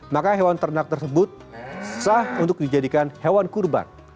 maka hewan ternak tersebut sah untuk dijadikan hewan kurban